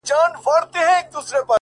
o اوس مي حافظه ډيره قوي گلي؛